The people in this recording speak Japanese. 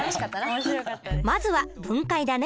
まずは分解だね。